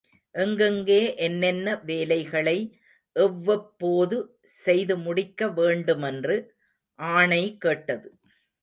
எங்கெங்கே, என்னென்ன வேலைகளை எவ்வப்போது செய்து முடிக்க வேண்டுமென்று, ஆணை கேட்டது.